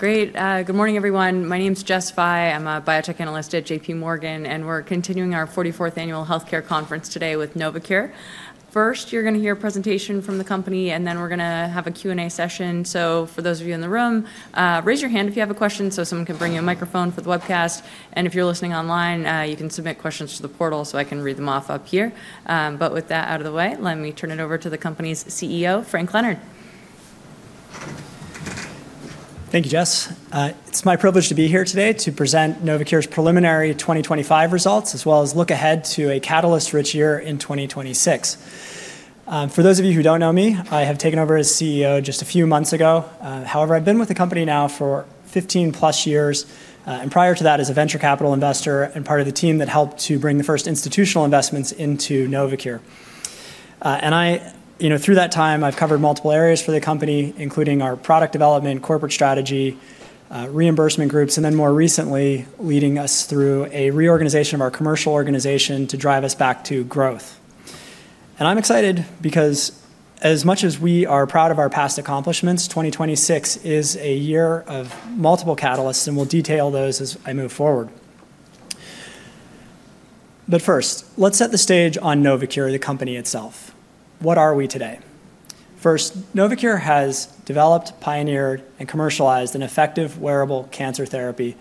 Great. Good morning, everyone. My name's Jess Fye. I'm a biotech analyst at JPMorgan, and we're continuing our 44th annual healthcare conference today with Novocure. First, you're going to hear a presentation from the company, and then we're going to have a Q&A session. So for those of you in the room, raise your hand if you have a question so someone can bring you a microphone for the webcast. And if you're listening online, you can submit questions to the portal so I can read them off up here. But with that out of the way, let me turn it over to the company's CEO, Frank Leonard. Thank you, Jess. It's my privilege to be here today to present Novocure's preliminary 2025 results, as well as look ahead to a catalyst-rich year in 2026. For those of you who don't know me, I have taken over as CEO just a few months ago. However, I've been with the company now for 15-plus years, and prior to that as a venture capital investor and part of the team that helped to bring the first institutional investments into Novocure, and through that time, I've covered multiple areas for the company, including our product development, corporate strategy, reimbursement groups, and then more recently, leading us through a reorganization of our commercial organization to drive us back to growth, and I'm excited because as much as we are proud of our past accomplishments, 2026 is a year of multiple catalysts, and we'll detail those as I move forward. But first, let's set the stage on Novocure, the company itself. What are we today? First, Novocure has developed, pioneered, and commercialized an effective wearable cancer therapy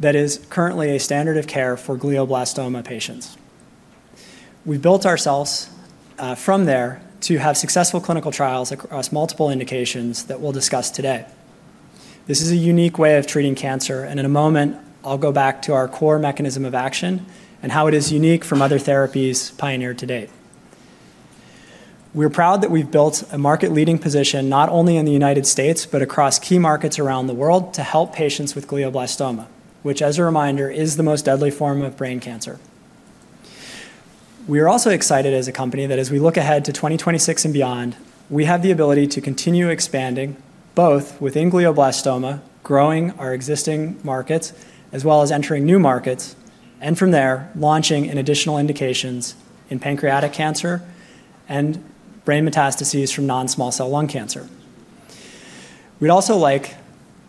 that is currently a standard of care for glioblastoma patients. We built ourselves from there to have successful clinical trials across multiple indications that we'll discuss today. This is a unique way of treating cancer, and in a moment, I'll go back to our core mechanism of action and how it is unique from other therapies pioneered to date. We're proud that we've built a market-leading position not only in the United States, but across key markets around the world to help patients with glioblastoma, which, as a reminder, is the most deadly form of brain cancer. We are also excited as a company that as we look ahead to 2026 and beyond, we have the ability to continue expanding both within glioblastoma, growing our existing markets, as well as entering new markets, and from there, launching in additional indications in pancreatic cancer and brain metastases from non-small cell lung cancer. We'd also like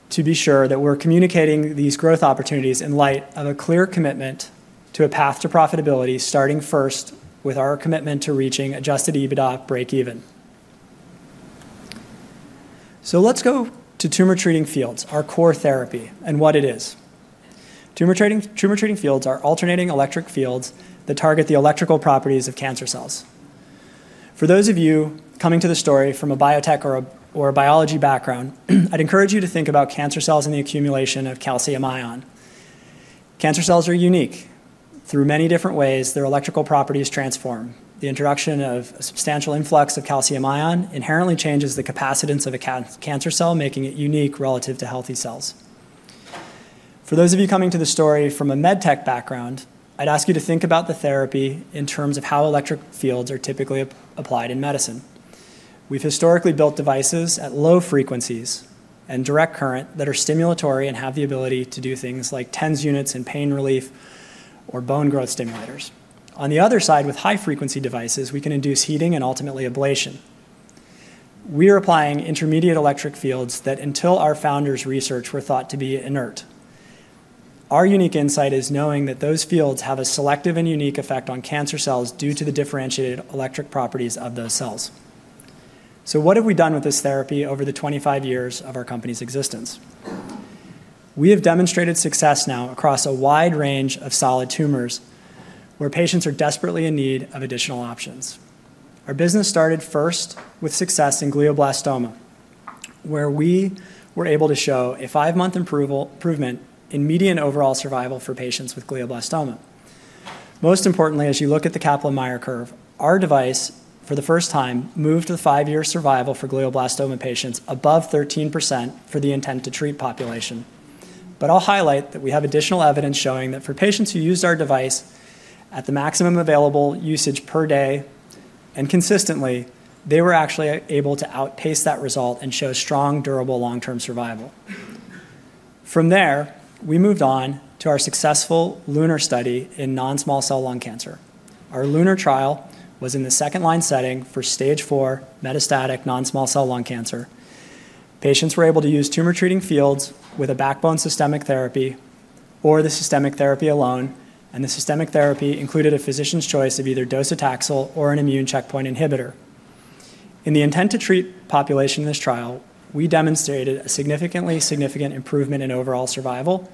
to be sure that we're communicating these growth opportunities in light of a clear commitment to a path to profitability, starting first with our commitment to reaching Adjusted EBITDA break-even. So let's go to Tumor Treating Fields, our core therapy, and what it is. Tumor Treating Fields are alternating electric fields that target the electrical properties of cancer cells. For those of you coming to the story from a biotech or a biology background, I'd encourage you to think about cancer cells and the accumulation of calcium ion. Cancer cells are unique. Through many different ways, their electrical properties transform. The introduction of a substantial influx of calcium ion inherently changes the capacitance of a cancer cell, making it unique relative to healthy cells. For those of you coming to the story from a medtech background, I'd ask you to think about the therapy in terms of how electric fields are typically applied in medicine. We've historically built devices at low frequencies and direct current that are stimulatory and have the ability to do things like TENS units and pain relief or bone growth stimulators. On the other side, with high-frequency devices, we can induce heating and ultimately ablation. We are applying intermediate electric fields that until our founders' research were thought to be inert. Our unique insight is knowing that those fields have a selective and unique effect on cancer cells due to the differentiated electric properties of those cells. What have we done with this therapy over the 25 years of our company's existence? We have demonstrated success now across a wide range of solid tumors where patients are desperately in need of additional options. Our business started first with success in glioblastoma, where we were able to show a five-month improvement in median overall survival for patients with glioblastoma. Most importantly, as you look at the Kaplan-Meier curve, our device, for the first time, moved to the five-year survival for glioblastoma patients above 13% for the intent-to-treat population. But I'll highlight that we have additional evidence showing that for patients who used our device at the maximum available usage per day and consistently, they were actually able to outpace that result and show strong, durable, long-term survival. From there, we moved on to our successful LUNAR study in non-small cell lung cancer. Our LUNAR trial was in the second-line setting for stage four metastatic non-small cell lung cancer. Patients were able to use Tumor Treating Fields with a backbone systemic therapy or the systemic therapy alone, and the systemic therapy included a physician's choice of either docetaxel or an immune checkpoint inhibitor. In the intent-to-treat population in this trial, we demonstrated a significant improvement in overall survival,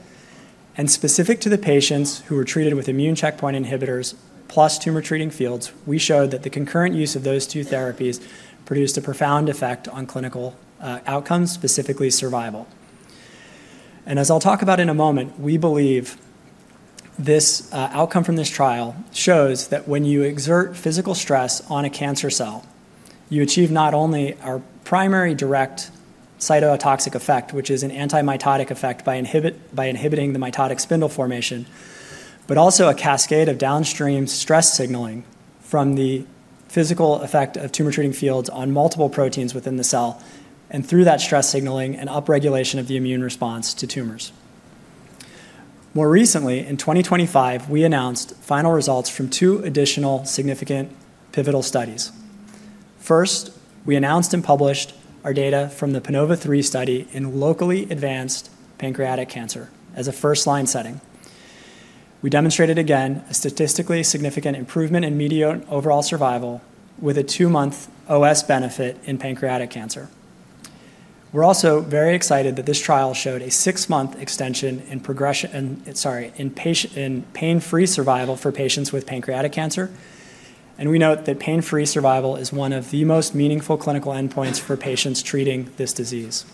and specific to the patients who were treated with immune checkpoint inhibitors plus Tumor Treating Fields, we showed that the concurrent use of those two therapies produced a profound effect on clinical outcomes, specifically survival. As I'll talk about in a moment, we believe this outcome from this trial shows that when you exert physical stress on a cancer cell, you achieve not only our primary direct cytotoxic effect, which is an antimitotic effect by inhibiting the mitotic spindle formation, but also a cascade of downstream stress signaling from the physical effect of Tumor Treating Fields on multiple proteins within the cell and through that stress signaling and upregulation of the immune response to tumors. More recently, in 2025, we announced final results from two additional significant pivotal studies. First, we announced and published our data from the PANOVA-3 study in locally advanced pancreatic cancer as a first-line setting. We demonstrated again a statistically significant improvement in median overall survival with a two-month OS benefit in pancreatic cancer. We're also very excited that this trial showed a six-month extension in pain-free survival for patients with pancreatic cancer, and we note that pain-free survival is one of the most meaningful clinical endpoints for patients treating this disease.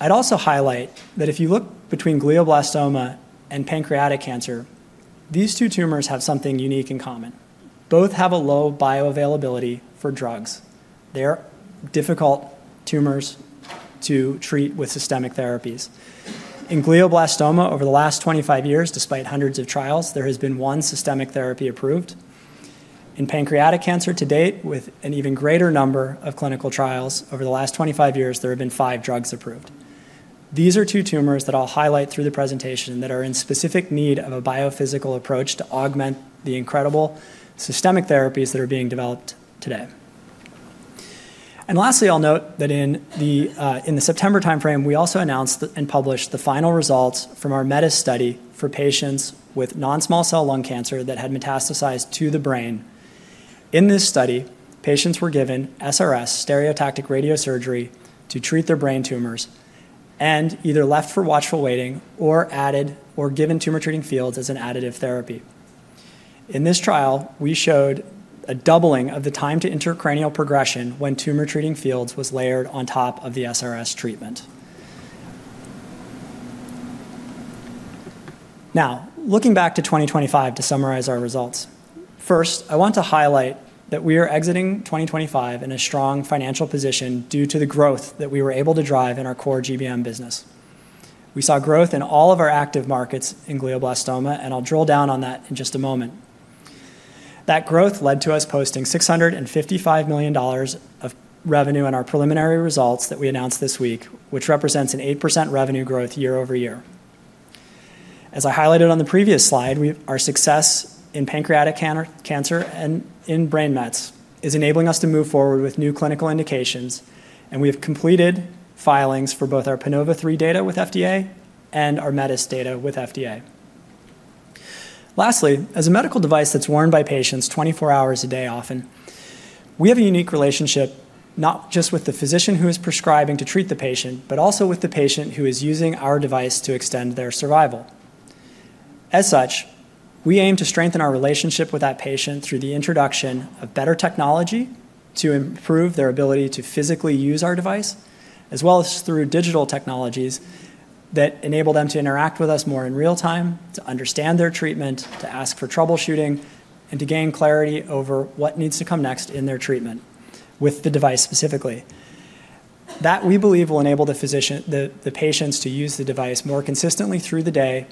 I'd also highlight that if you look between glioblastoma and pancreatic cancer, these two tumors have something unique in common. Both have a low bioavailability for drugs. They are difficult tumors to treat with systemic therapies. In glioblastoma, over the last 25 years, despite hundreds of trials, there has been one systemic therapy approved. In pancreatic cancer to date, with an even greater number of clinical trials, over the last 25 years, there have been five drugs approved. These are two tumors that I'll highlight through the presentation that are in specific need of a biophysical approach to augment the incredible systemic therapies that are being developed today. Lastly, I'll note that in the September timeframe, we also announced and published the final results from our METIS study for patients with non-small cell lung cancer that had metastasized to the brain. In this study, patients were given SRS, stereotactic radiosurgery, to treat their brain tumors and either left for watchful waiting or added or given Tumor Treating Fields as an additive therapy. In this trial, we showed a doubling of the time to intracranial progression when Tumor Treating Fields was layered on top of the SRS treatment. Now, looking back to 2025 to summarize our results, first, I want to highlight that we are exiting 2025 in a strong financial position due to the growth that we were able to drive in our core GBM business. We saw growth in all of our active markets in glioblastoma, and I'll drill down on that in just a moment. That growth led to us posting $655 million of revenue in our preliminary results that we announced this week, which represents an 8% revenue growth year-over-year. As I highlighted on the previous slide, our success in pancreatic cancer and in brain mets is enabling us to move forward with new clinical indications, and we have completed filings for both our PANOVA-3 data with FDA and our METIS data with FDA. Lastly, as a medical device that's worn by patients 24 hours a day often, we have a unique relationship not just with the physician who is prescribing to treat the patient, but also with the patient who is using our device to extend their survival. As such, we aim to strengthen our relationship with that patient through the introduction of better technology to improve their ability to physically use our device, as well as through digital technologies that enable them to interact with us more in real time, to understand their treatment, to ask for troubleshooting, and to gain clarity over what needs to come next in their treatment with the device specifically. That we believe will enable the patients to use the device more consistently through the day,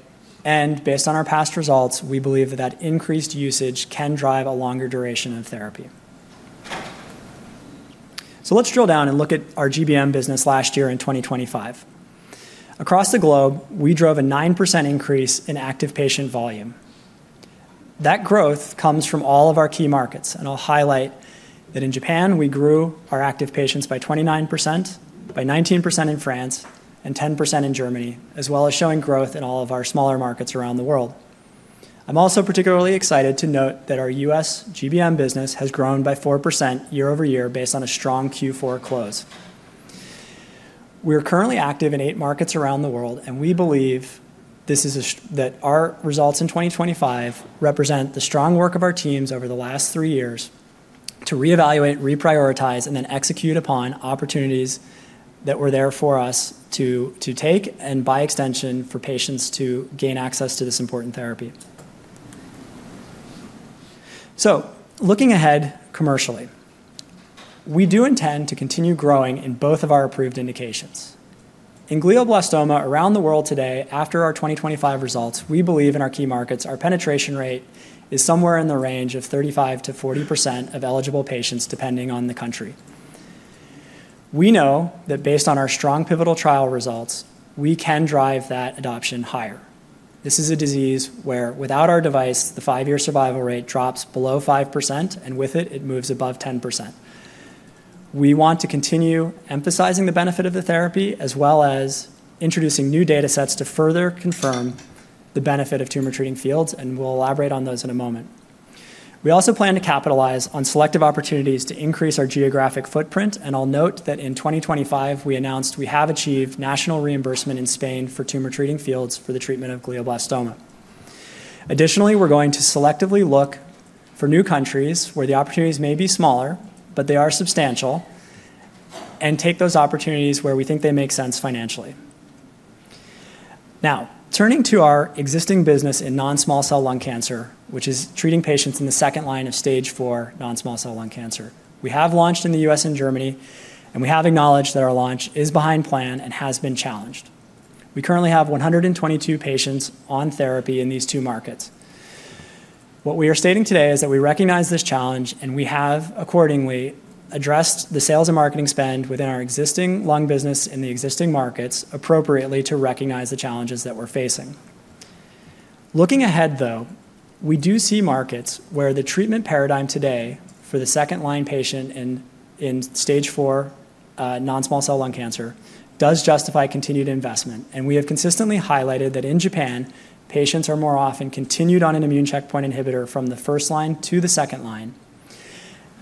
and based on our past results, we believe that that increased usage can drive a longer duration of therapy, so let's drill down and look at our GBM business last year in 2025. Across the globe, we drove a 9% increase in active patient volume. That growth comes from all of our key markets. I'll highlight that in Japan, we grew our active patients by 29%, by 19% in France, and 10% in Germany, as well as showing growth in all of our smaller markets around the world. I'm also particularly excited to note that our U.S. GBM business has grown by 4% year-over-year based on a strong Q4 close. We are currently active in eight markets around the world, and we believe that our results in 2025 represent the strong work of our teams over the last three years to reevaluate, reprioritize, and then execute upon opportunities that were there for us to take and by extension for patients to gain access to this important therapy. Looking ahead commercially, we do intend to continue growing in both of our approved indications. In glioblastoma around the world today, after our 2025 results, we believe in our key markets our penetration rate is somewhere in the range of 35%-40% of eligible patients depending on the country. We know that based on our strong pivotal trial results, we can drive that adoption higher. This is a disease where without our device, the five-year survival rate drops below 5%, and with it, it moves above 10%. We want to continue emphasizing the benefit of the therapy as well as introducing new data sets to further confirm the benefit of Tumor Treating Fields, and we'll elaborate on those in a moment. We also plan to capitalize on selective opportunities to increase our geographic footprint, and I'll note that in 2025, we announced we have achieved national reimbursement in Spain for Tumor Treating Fields for the treatment of glioblastoma. Additionally, we're going to selectively look for new countries where the opportunities may be smaller, but they are substantial, and take those opportunities where we think they make sense financially. Now, turning to our existing business in non-small cell lung cancer, which is treating patients in the second line of stage four non-small cell lung cancer, we have launched in the U.S. and Germany, and we have acknowledged that our launch is behind plan and has been challenged. We currently have 122 patients on therapy in these two markets. What we are stating today is that we recognize this challenge, and we have accordingly addressed the sales and marketing spend within our existing lung business in the existing markets appropriately to recognize the challenges that we're facing. Looking ahead, though, we do see markets where the treatment paradigm today for the second-line patient in stage four non-small cell lung cancer does justify continued investment. And we have consistently highlighted that in Japan, patients are more often continued on an immune checkpoint inhibitor from the first line to the second line.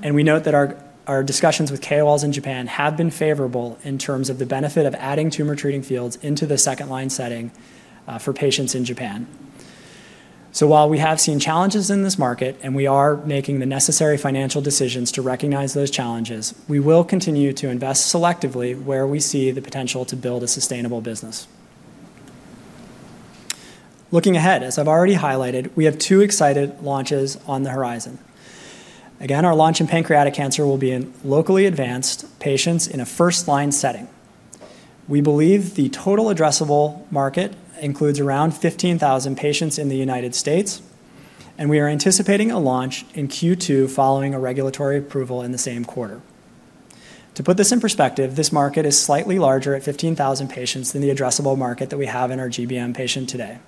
And we note that our discussions with KOLs in Japan have been favorable in terms of the benefit of adding Tumor Treating Fields into the second-line setting for patients in Japan. So while we have seen challenges in this market and we are making the necessary financial decisions to recognize those challenges, we will continue to invest selectively where we see the potential to build a sustainable business. Looking ahead, as I've already highlighted, we have two exciting launches on the horizon. Again, our launch in pancreatic cancer will be in locally advanced patients in a first-line setting. We believe the total addressable market includes around 15,000 patients in the United States, and we are anticipating a launch in Q2 following a regulatory approval in the same quarter. To put this in perspective, this market is slightly larger at 15,000 patients than the addressable market that we have in our GBM patients today.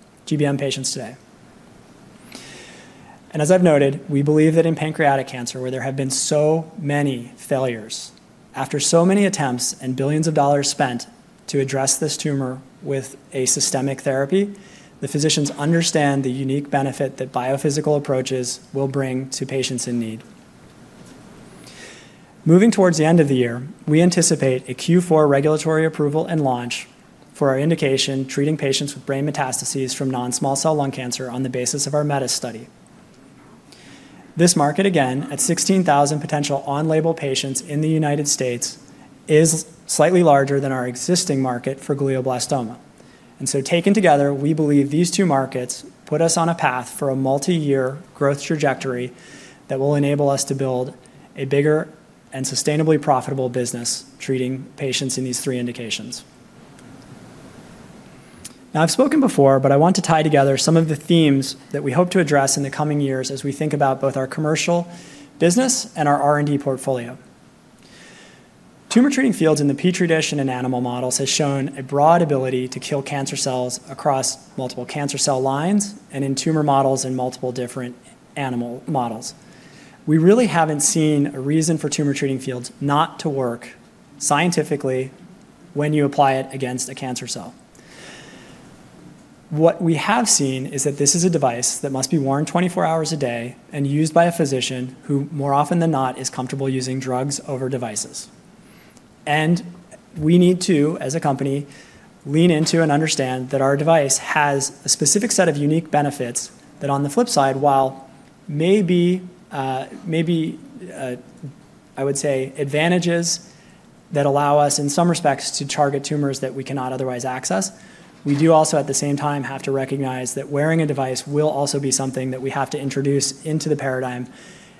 And as I've noted, we believe that in pancreatic cancer, where there have been so many failures, after so many attempts and billions of dollars spent to address this tumor with a systemic therapy, the physicians understand the unique benefit that biophysical approaches will bring to patients in need. Moving towards the end of the year, we anticipate a Q4 regulatory approval and launch for our indication treating patients with brain metastases from non-small cell lung cancer on the basis of our METIS study. This market, again, at 16,000 potential on-label patients in the United States, is slightly larger than our existing market for glioblastoma, and so taken together, we believe these two markets put us on a path for a multi-year growth trajectory that will enable us to build a bigger and sustainably profitable business treating patients in these three indications. Now, I've spoken before, but I want to tie together some of the themes that we hope to address in the coming years as we think about both our commercial business and our R&D portfolio. Tumor Treating Fields in the petri dish and in animal models have shown a broad ability to kill cancer cells across multiple cancer cell lines and in tumor models in multiple different animal models. We really haven't seen a reason for Tumor Treating Fields not to work scientifically when you apply it against a cancer cell. What we have seen is that this is a device that must be worn 24 hours a day and used by a physician who more often than not is comfortable using drugs over devices. And we need to, as a company, lean into and understand that our device has a specific set of unique benefits that, on the flip side, while maybe I would say advantages that allow us in some respects to target tumors that we cannot otherwise access, we do also at the same time have to recognize that wearing a device will also be something that we have to introduce into the paradigm.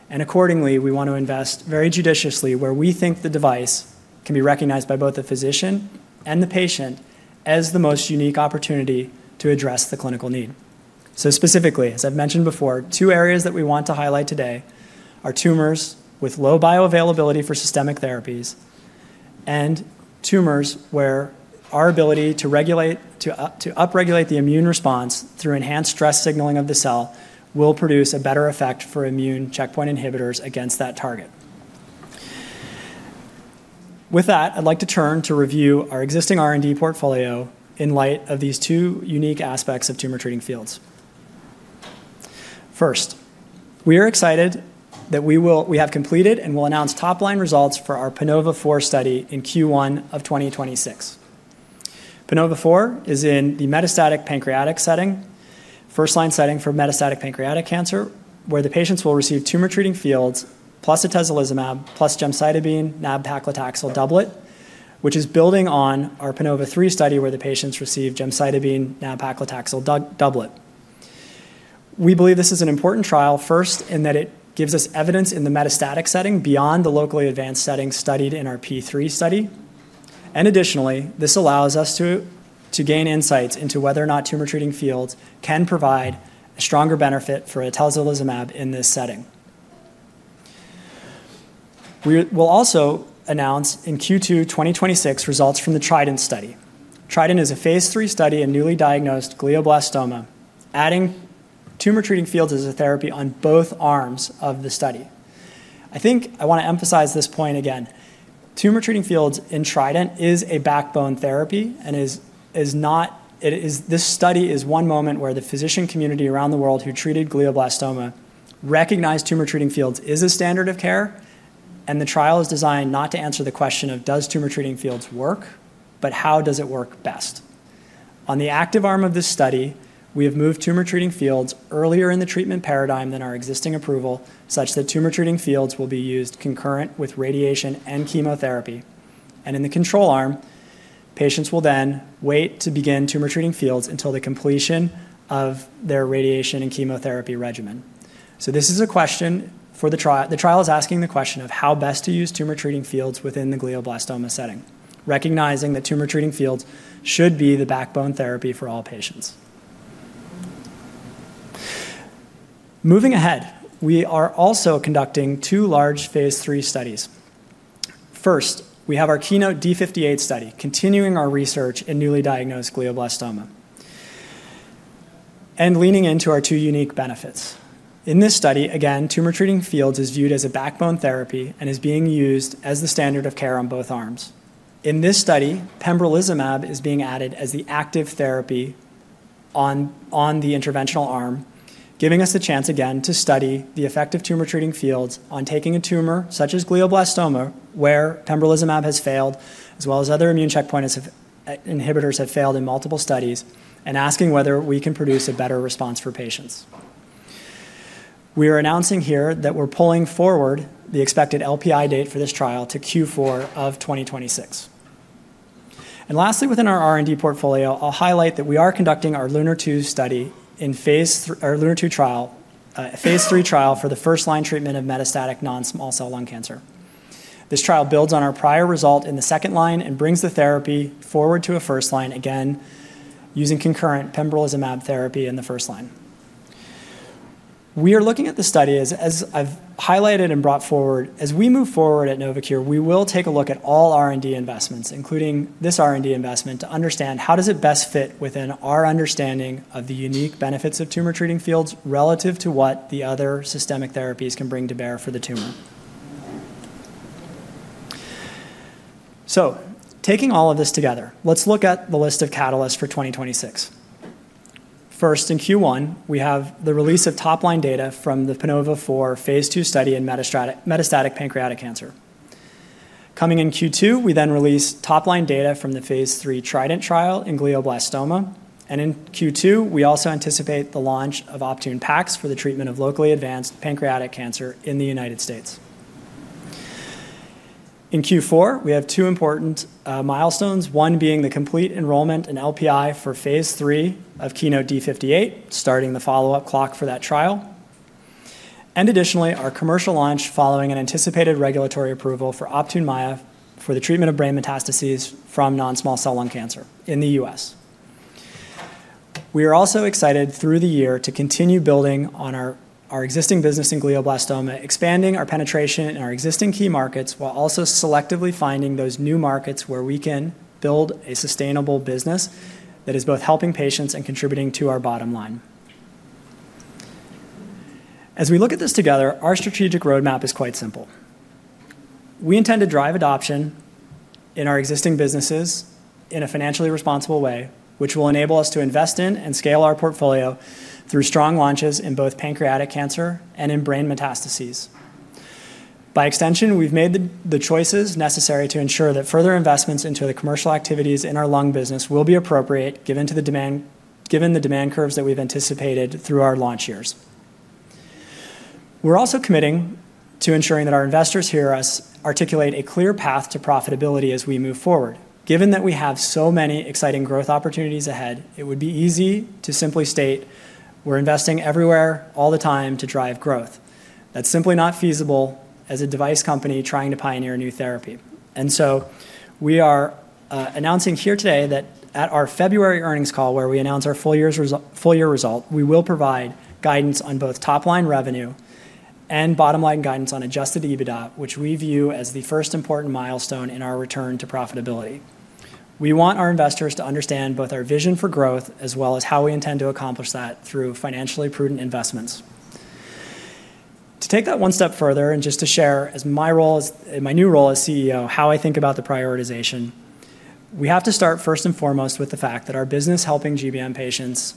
And accordingly, we want to invest very judiciously where we think the device can be recognized by both the physician and the patient as the most unique opportunity to address the clinical need. Specifically, as I've mentioned before, two areas that we want to highlight today are tumors with low bioavailability for systemic therapies and tumors where our ability to upregulate the immune response through enhanced stress signaling of the cell will produce a better effect for immune checkpoint inhibitors against that target. With that, I'd like to turn to review our existing R&D portfolio in light of these two unique aspects of tumor-treating fields. First, we are excited that we have completed and will announce top-line results for our PANOVA-4 study in Q1 of 2026. PANOVA-4 is in the metastatic pancreatic setting, first-line setting for metastatic pancreatic cancer, where the patients will receive tumor-treating fields plus atezolizumab plus gemcitabine-nab-paclitaxel doublet, which is building on our PANOVA-3 study where the patients receive gemcitabine-nab-paclitaxel doublet. We believe this is an important trial first in that it gives us evidence in the metastatic setting beyond the locally advanced setting studied in our P3 study, and additionally, this allows us to gain insights into whether or not Tumor Treating Fields can provide a stronger benefit for atezolizumab in this setting. We will also announce in Q2 2026 results from the TRIDENT study. TRIDENTis a Phase 3 study in newly diagnosed Glioblastoma, adding Tumor Treating Fields as a therapy on both arms of the study. I think I want to emphasize this point again. Tumor Treating Fields in TRIDENT is a backbone therapy and is not. This study is one moment where the physician community around the world who treated Glioblastoma recognized Tumor Treating Fields is a standard of care, and the trial is designed not to answer the question of does Tumor Treating Fields work, but how does it work best. On the active arm of this study, we have moved tumor-treating fields earlier in the treatment paradigm than our existing approval, such that tumor-treating fields will be used concurrent with radiation and chemotherapy, and in the control arm, patients will then wait to begin tumor-treating fields until the completion of their radiation and chemotherapy regimen, so this is a question for the trial. The trial is asking the question of how best to use tumor-treating fields within the glioblastoma setting, recognizing that tumor-treating fields should be the backbone therapy for all patients. Moving ahead, we are also conducting two large phase three studies. First, we have our KEYNOTE-D58 study continuing our research in newly diagnosed glioblastoma and leaning into our two unique benefits. In this study, again, tumor-treating fields is viewed as a backbone therapy and is being used as the standard of care on both arms. In this study, pembrolizumab is being added as the active therapy on the interventional arm, giving us the chance again to study the effect of Tumor Treating Fields on taking a tumor such as glioblastoma where pembrolizumab has failed, as well as other immune checkpoint inhibitors have failed in multiple studies, and asking whether we can produce a better response for patients. We are announcing here that we're pulling forward the expected LPI date for this trial to Q4 of 2026. Lastly, within our R&D portfolio, I'll highlight that we are conducting our LUNAR-2 study, LUNAR-2 trial, phase 3 trial for the first-line treatment of metastatic non-small cell lung cancer. This trial builds on our prior result in the second line and brings the therapy forward to a first line again using concurrent pembrolizumab therapy in the first line. We are looking at the study as I've highlighted and brought forward. As we move forward at Novocure, we will take a look at all R&D investments, including this R&D investment, to understand how does it best fit within our understanding of the unique benefits of Tumor Treating Fields relative to what the other systemic therapies can bring to bear for the tumor. So taking all of this together, let's look at the list of catalysts for 2026. First, in Q1, we have the release of top-line data from the PANOVA-4 phase 2 study in metastatic pancreatic cancer. Coming in Q2, we then release top-line data from the phase 3 TRIDENT trial in glioblastoma. And in Q2, we also anticipate the launch of Optune Packs for the treatment of locally advanced pancreatic cancer in the United States. In Q4, we have two important milestones, one being the complete enrollment in LPI for phase three of KEYNOTE-D58, starting the follow-up clock for that trial, and additionally, our commercial launch following an anticipated regulatory approval for Optune Maya for the treatment of brain metastases from non-small cell lung cancer in the U.S. We are also excited through the year to continue building on our existing business in glioblastoma, expanding our penetration in our existing key markets while also selectively finding those new markets where we can build a sustainable business that is both helping patients and contributing to our bottom line. As we look at this together, our strategic roadmap is quite simple. We intend to drive adoption in our existing businesses in a financially responsible way, which will enable us to invest in and scale our portfolio through strong launches in both pancreatic cancer and in brain metastases. By extension, we've made the choices necessary to ensure that further investments into the commercial activities in our lung business will be appropriate given the demand curves that we've anticipated through our launch years. We're also committing to ensuring that our investors hear us articulate a clear path to profitability as we move forward. Given that we have so many exciting growth opportunities ahead, it would be easy to simply state we're investing everywhere all the time to drive growth. That's simply not feasible as a device company trying to pioneer a new therapy. And so we are announcing here today that at our February earnings call, where we announce our full-year result, we will provide guidance on both top-line revenue and bottom-line guidance on Adjusted EBITDA, which we view as the first important milestone in our return to profitability. We want our investors to understand both our vision for growth as well as how we intend to accomplish that through financially prudent investments. To take that one step further and just to share my new role as CEO, how I think about the prioritization, we have to start first and foremost with the fact that our business helping GBM patients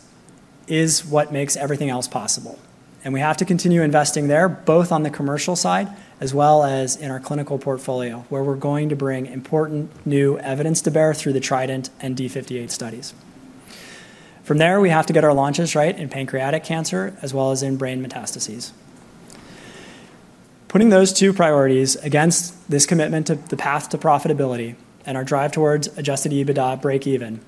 is what makes everything else possible. And we have to continue investing there both on the commercial side as well as in our clinical portfolio, where we're going to bring important new evidence to bear through the Trident and D58 studies. From there, we have to get our launches right in pancreatic cancer as well as in brain metastases. Putting those two priorities against this commitment to the path to profitability and our drive towards Adjusted EBITDA breakeven,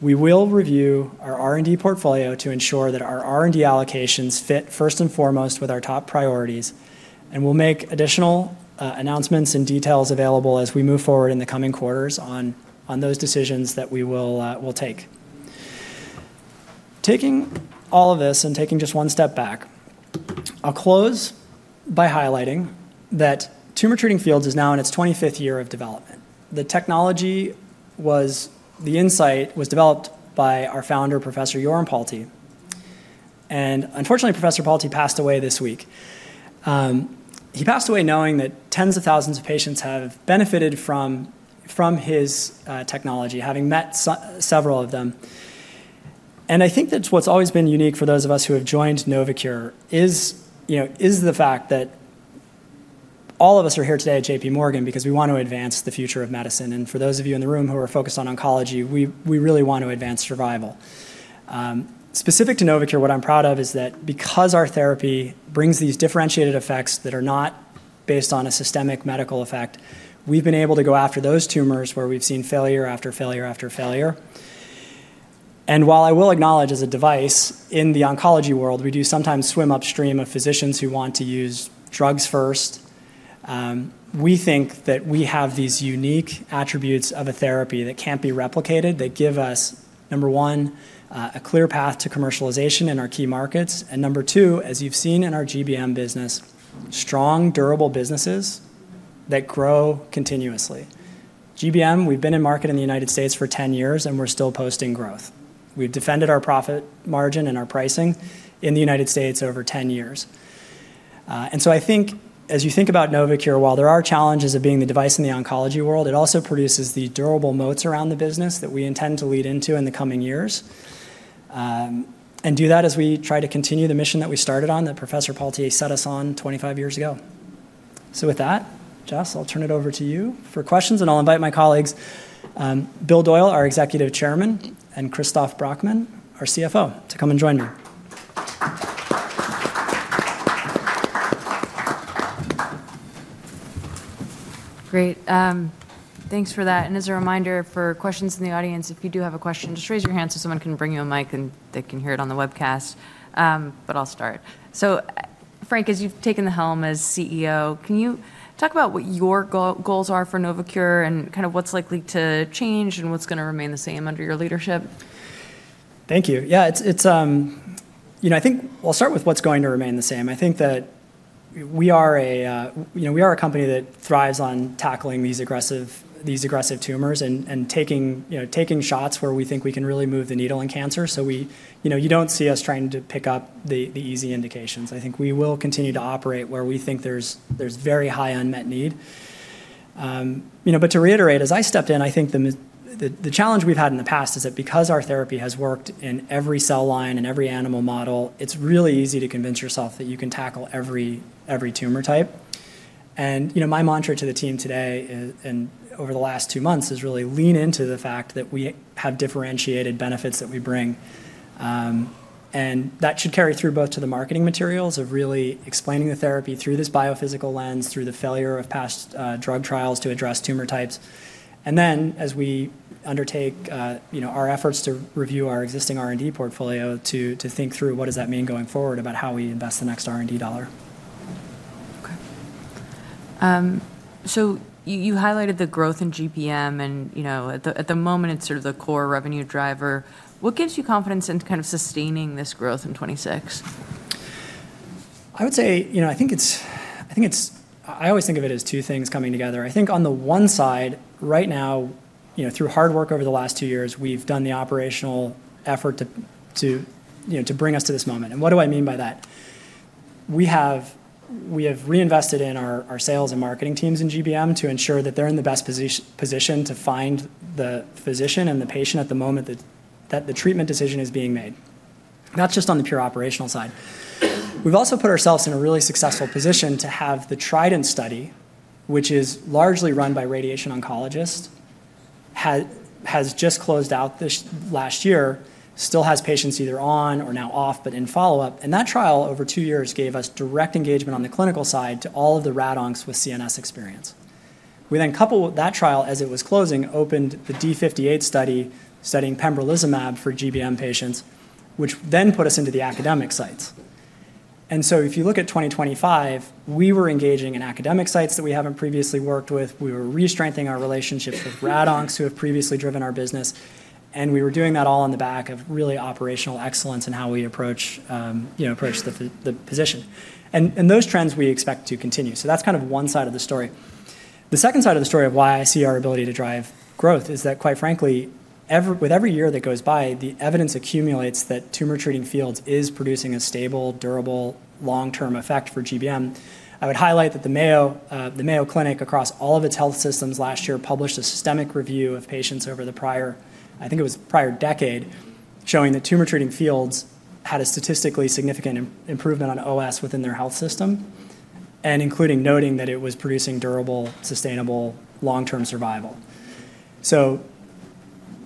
we will review our R&D portfolio to ensure that our R&D allocations fit first and foremost with our top priorities, and we'll make additional announcements and details available as we move forward in the coming quarters on those decisions that we will take. Taking all of this and taking just one step back, I'll close by highlighting that Tumor Treating Fields is now in its 25th year of development. The technology, the insight, was developed by our founder, Professor Yoram Palti. And unfortunately, Professor Palti passed away this week. He passed away knowing that tens of thousands of patients have benefited from his technology, having met several of them. I think that's what's always been unique for those of us who have joined Novocure is the fact that all of us are here today at J.P. Morgan because we want to advance the future of medicine. For those of you in the room who are focused on oncology, we really want to advance survival. Specific to Novocure, what I'm proud of is that because our therapy brings these differentiated effects that are not based on a systemic medical effect, we've been able to go after those tumors where we've seen failure after failure after failure. While I will acknowledge, as a device in the oncology world, we do sometimes swim upstream of physicians who want to use drugs first. We think that we have these unique attributes of a therapy that can't be replicated that give us, number one, a clear path to commercialization in our key markets. Number two, as you've seen in our GBM business, strong, durable businesses that grow continuously. GBM, we've been in market in the United States for 10 years, and we're still posting growth. We've defended our profit margin and our pricing in the United States over 10 years. I think as you think about Novocure, while there are challenges of being the device in the oncology world, it also produces the durable moats around the business that we intend to lead into in the coming years and do that as we try to continue the mission that we started on that Professor Palti set us on 25 years ago. With that, Jess, I'll turn it over to you for questions, and I'll invite my colleagues, Bill Doyle, our Executive Chairman, and Christoph Brackmann, our CFO, to come and join me. Great. Thanks for that. As a reminder, for questions in the audience, if you do have a question, just raise your hand so someone can bring you a mic and they can hear it on the webcast. I'll start. Frank, as you've taken the helm as CEO, can you talk about what your goals are for Novocure and kind of what's likely to change and what's going to remain the same under your leadership? Thank you. Yeah, I think I'll start with what's going to remain the same. I think that we are a company that thrives on tackling these aggressive tumors and taking shots where we think we can really move the needle in cancer. So you don't see us trying to pick up the easy indications. I think we will continue to operate where we think there's very high unmet need. But to reiterate, as I stepped in, I think the challenge we've had in the past is that because our therapy has worked in every cell line and every animal model, it's really easy to convince yourself that you can tackle every tumor type. And my mantra to the team today and over the last two months is really lean into the fact that we have differentiated benefits that we bring. That should carry through both to the marketing materials of really explaining the therapy through this biophysical lens, through the failure of past drug trials to address tumor types. As we undertake our efforts to review our existing R&D portfolio to think through what does that mean going forward about how we invest the next R&D dollar. Okay, so you highlighted the growth in GBM, and at the moment, it's sort of the core revenue driver. What gives you confidence in kind of sustaining this growth in 2026? I would say I always think of it as two things coming together. I think on the one side, right now, through hard work over the last two years, we've done the operational effort to bring us to this moment. What do I mean by that? We have reinvested in our sales and marketing teams in GBM to ensure that they're in the best position to find the physician and the patient at the moment that the treatment decision is being made. That's just on the pure operational side. We've also put ourselves in a really successful position to have the TRIDENT study, which is largely run by radiation oncologists, has just closed out this last year, still has patients either on or now off, but in follow-up. And that trial over two years gave us direct engagement on the clinical side to all of the rad oncs with CNS experience. We then coupled that trial as it was closing, opened the D58 study studying pembrolizumab for GBM patients, which then put us into the academic sites. And so if you look at 2025, we were engaging in academic sites that we haven't previously worked with. We were re-strengthening our relationships with rad oncs who have previously driven our business. And we were doing that all on the back of really operational excellence in how we approach the position. And those trends we expect to continue. So that's kind of one side of the story. The second side of the story of why I see our ability to drive growth is that, quite frankly, with every year that goes by, the evidence accumulates that Tumor Treating Fields is producing a stable, durable, long-term effect for GBM. I would highlight that the Mayo Clinic across all of its health systems last year published a systematic review of patients over the prior, I think it was prior decade, showing that Tumor Treating Fields had a statistically significant improvement on OS within their health system and including noting that it was producing durable, sustainable, long-term survival, so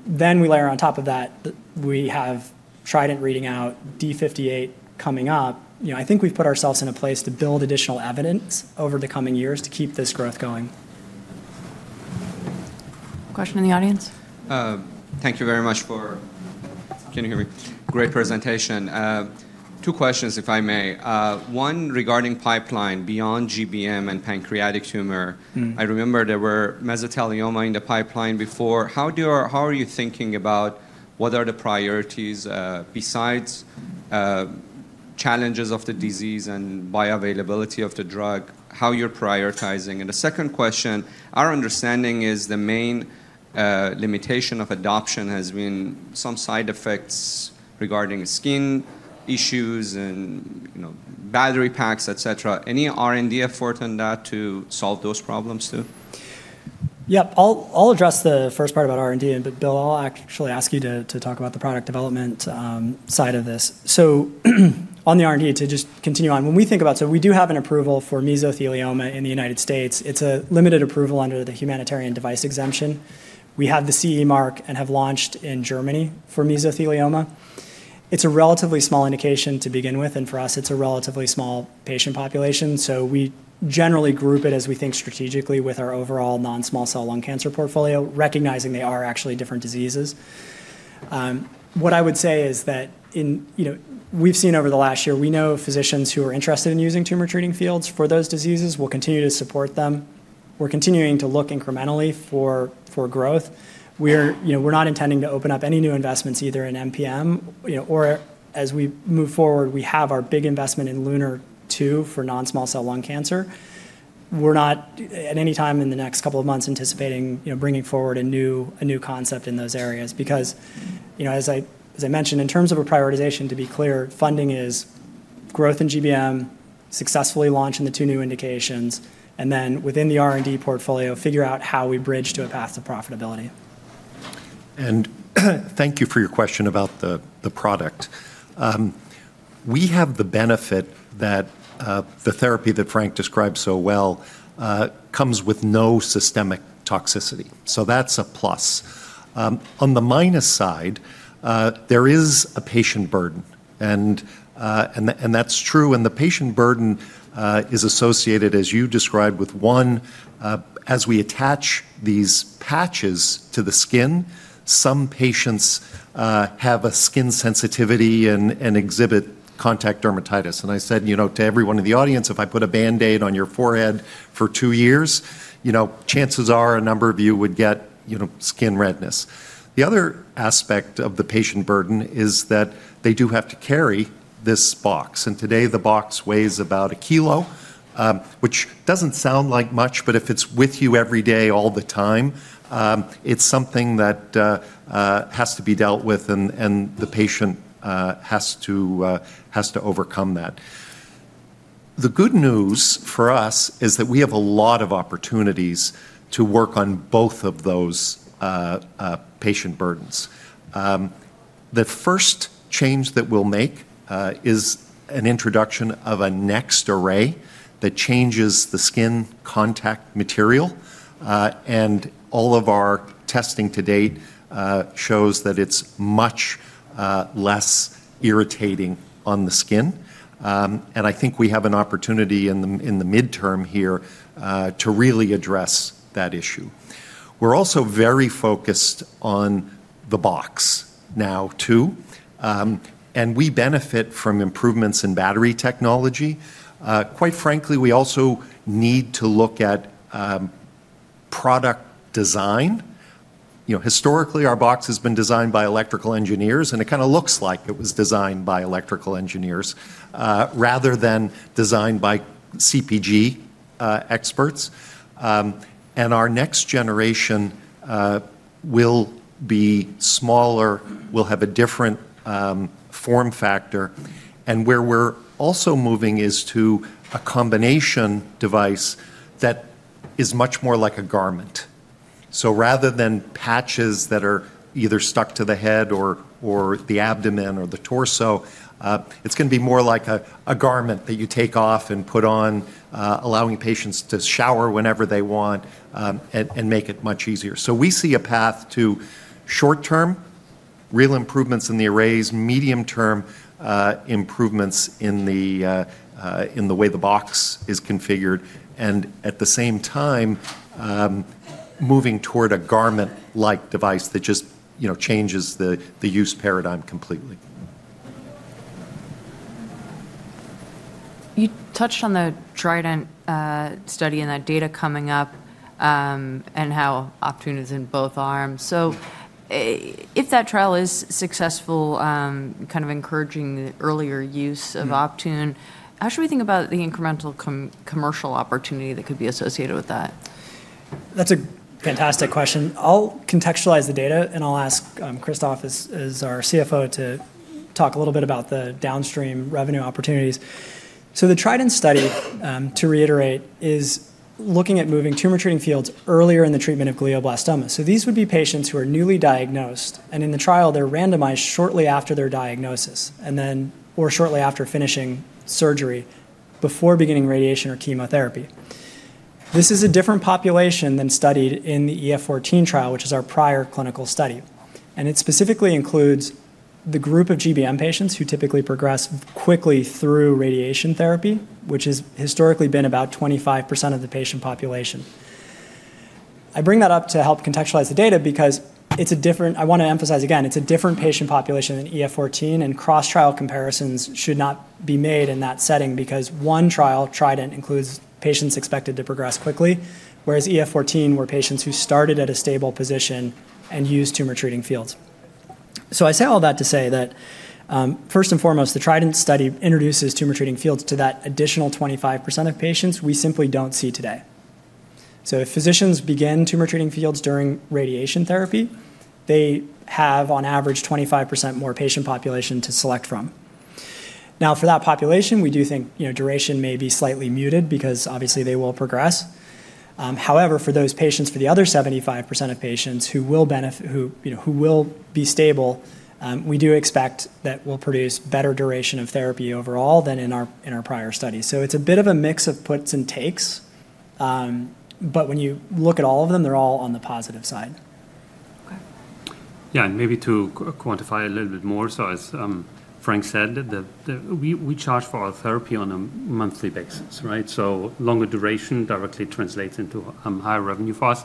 then we layer on top of that, we have TRIDENT reading out, D58 coming up. I think we've put ourselves in a place to build additional evidence over the coming years to keep this growth going. Question in the audience? Thank you very much. Can you hear me? Great presentation. Two questions, if I may. One regarding pipeline beyond GBM and pancreatic tumor. I remember there were mesothelioma in the pipeline before. How are you thinking about what are the priorities besides challenges of the disease and bioavailability of the drug, how you're prioritizing? And the second question, our understanding is the main limitation of adoption has been some side effects regarding skin issues and battery packs, et cetera. Any R&D effort on that to solve those problems too? Yep. I'll address the first part about R&D, but Bill, I'll actually ask you to talk about the product development side of this. So on the R&D, to just continue on, when we think about so we do have an approval for mesothelioma in the United States. It's a limited approval under the Humanitarian Device Exemption. We have the CE mark and have launched in Germany for mesothelioma. It's a relatively small indication to begin with, and for us, it's a relatively small patient population. So we generally group it as we think strategically with our overall non-small cell lung cancer portfolio, recognizing they are actually different diseases. What I would say is that we've seen over the last year, we know physicians who are interested in using Tumor Treating Fields for those diseases. We'll continue to support them. We're continuing to look incrementally for growth. We're not intending to open up any new investments either in MPM, or as we move forward, we have our big investment in LUNAR-2 for non-small cell lung cancer. We're not at any time in the next couple of months anticipating bringing forward a new concept in those areas because, as I mentioned, in terms of a prioritization, to be clear, funding is growth in GBM, successfully launching the two new indications, and then within the R&D portfolio, figure out how we bridge to a path to profitability. Thank you for your question about the product. We have the benefit that the therapy that Frank described so well comes with no systemic toxicity. So that's a plus. On the minus side, there is a patient burden. That's true. The patient burden is associated, as you described, with one, as we attach these patches to the skin, some patients have a skin sensitivity and exhibit contact dermatitis. I said to everyone in the audience, if I put a Band-Aid on your forehead for two years, chances are a number of you would get skin redness. The other aspect of the patient burden is that they do have to carry this box. Today, the box weighs about a kilo, which doesn't sound like much, but if it's with you every day, all the time, it's something that has to be dealt with, and the patient has to overcome that. The good news for us is that we have a lot of opportunities to work on both of those patient burdens. The first change that we'll make is an introduction of a next array that changes the skin contact material. All of our testing to date shows that it's much less irritating on the skin. I think we have an opportunity in the midterm here to really address that issue. We're also very focused on the box now too. We benefit from improvements in battery technology. Quite frankly, we also need to look at product design. Historically, our box has been designed by electrical engineers, and it kind of looks like it was designed by electrical engineers rather than designed by CPG experts. And our next generation will be smaller, will have a different form factor. And where we're also moving is to a combination device that is much more like a garment. So rather than patches that are either stuck to the head or the abdomen or the torso, it's going to be more like a garment that you take off and put on, allowing patients to shower whenever they want and make it much easier. So we see a path to short-term real improvements in the arrays, medium-term improvements in the way the box is configured, and at the same time, moving toward a garment-like device that just changes the use paradigm completely. You touched on the TRIDENT study and that data coming up and how Optune is in both arms. So if that trial is successful, kind of encouraging the earlier use of Optune, how should we think about the incremental commercial opportunity that could be associated with that? That's a fantastic question. I'll contextualize the data, and I'll ask Christoph, as our CFO, to talk a little bit about the downstream revenue opportunities. The TRIDENT study, to reiterate, is looking at moving Tumor Treating Fields earlier in the treatment of glioblastoma. These would be patients who are newly diagnosed, and in the trial, they're randomized shortly after their diagnosis or shortly after finishing surgery before beginning radiation or chemotherapy. This is a different population than studied in the EF-14 trial, which is our prior clinical study. It specifically includes the group of GBM patients who typically progress quickly through radiation therapy, which has historically been about 25% of the patient population. I bring that up to help contextualize the data because I want to emphasize again, it's a different patient population than EF-14, and cross-trial comparisons should not be made in that setting because one trial, TRIDENT, includes patients expected to progress quickly, whereas EF-14 were patients who started at a stable position and used Tumor Treating Fields. So I say all that to say that, first and foremost, the TRIDENT study introduces Tumor Treating Fields to that additional 25% of patients we simply don't see today. So if physicians begin Tumor Treating Fields during radiation therapy, they have, on average, 25% more patient population to select from. Now, for that population, we do think duration may be slightly muted because, obviously, they will progress. However, for those patients, for the other 75% of patients who will be stable, we do expect that we'll produce better duration of therapy overall than in our prior study. So it's a bit of a mix of puts and takes. But when you look at all of them, they're all on the positive side. Okay. Yeah, and maybe to quantify a little bit more, so as Frank said, we charge for our therapy on a monthly basis, right? So longer duration directly translates into higher revenue for us.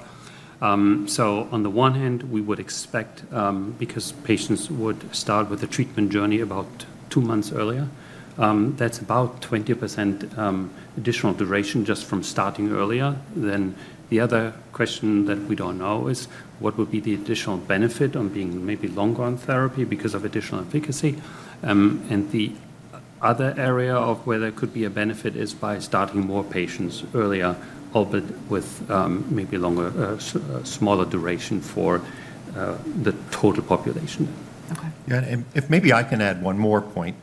So on the one hand, we would expect, because patients would start with a treatment journey about two months earlier, that's about 20% additional duration just from starting earlier. Then the other question that we don't know is what would be the additional benefit on being maybe longer on therapy because of additional efficacy. And the other area of where there could be a benefit is by starting more patients earlier, albeit with maybe a smaller duration for the total population. Okay. Yeah, and if maybe I can add one more point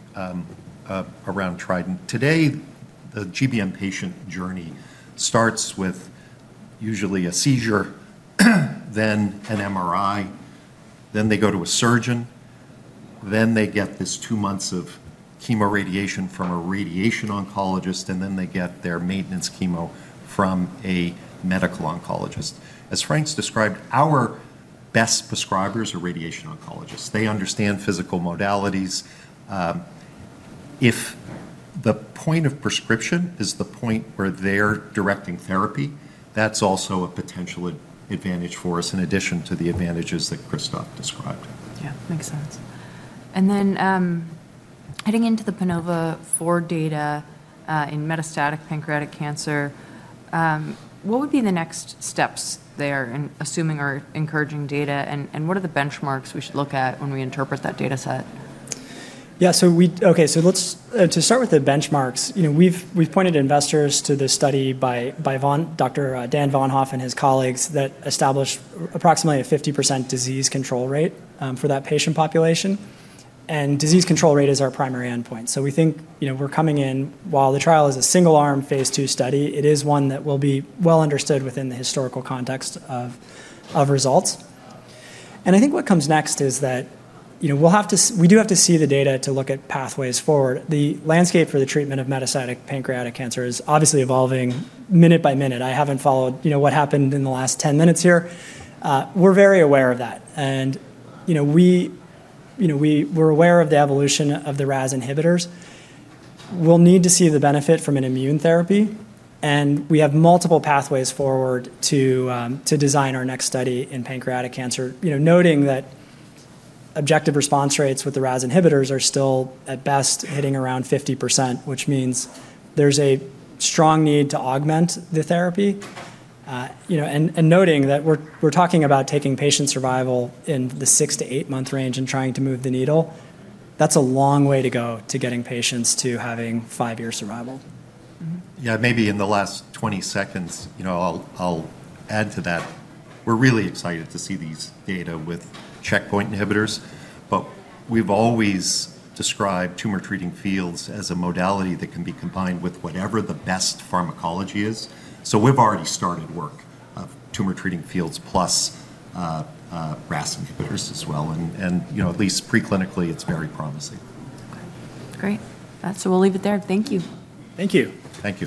around TRIDENT. Today, the GBM patient journey starts with usually a seizure, then an MRI, then they go to a surgeon, then they get this two months of chemoradiation from a radiation oncologist, and then they get their maintenance chemo from a medical oncologist. As Frank's described, our best prescribers are radiation oncologists. They understand physical modalities. If the point of prescription is the point where they're directing therapy, that's also a potential advantage for us in addition to the advantages that Christoph described. Yeah. Makes sense. And then heading into the PANOVA-4 data in metastatic pancreatic cancer, what would be the next steps there in assuming or encouraging data, and what are the benchmarks we should look at when we interpret that dataset? Yeah. So okay. So to start with the benchmarks, we've pointed investors to this study by Dr. Dan Von Hoff and his colleagues that established approximately a 50% disease control rate for that patient population, and disease control rate is our primary endpoint. So we think we're coming in while the trial is a single-arm Phase 2 study; it is one that will be well understood within the historical context of results, and I think what comes next is that we do have to see the data to look at pathways forward. The landscape for the treatment of metastatic pancreatic cancer is obviously evolving minute by minute. I haven't followed what happened in the last 10 minutes here. We're very aware of that, and we're aware of the evolution of the RAS inhibitors. We'll need to see the benefit from an immune therapy. We have multiple pathways forward to design our next study in pancreatic cancer, noting that objective response rates with the RAS inhibitors are still at best hitting around 50%, which means there's a strong need to augment the therapy. Noting that we're talking about taking patient survival in the six- to eight-month range and trying to move the needle, that's a long way to go to getting patients to having five-year survival. Yeah. Maybe in the last 20 seconds, I'll add to that. We're really excited to see these data with checkpoint inhibitors. But we've always described Tumor Treating Fields as a modality that can be combined with whatever the best pharmacology is. So we've already started work of Tumor Treating Fields plus RAS inhibitors as well. And at least preclinically, it's very promising. Okay. Great, so we'll leave it there. Thank you. Thank you. Thank you.